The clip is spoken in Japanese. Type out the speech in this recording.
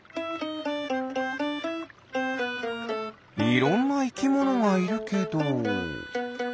いろんないきものがいるけど。